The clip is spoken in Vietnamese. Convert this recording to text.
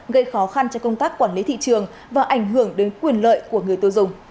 gây khó khăn cho công tác quản lý thị trường và ảnh hưởng đến quyền lợi của người tiêu dùng